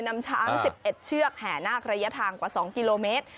นำช้าง๑๑เชือกแห่นาคระยะทางกว่า๒กิโลเมตร